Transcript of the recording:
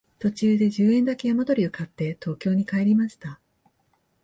途中で十円だけ山鳥を買って東京に帰りました